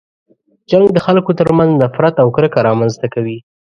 جنګ د خلکو تر منځ نفرت او کرکه رامنځته کوي.